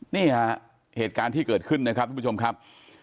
นี่ฮะเหตุการณ์ที่เกิดขึ้นนะครับทุกผู้ชมครับ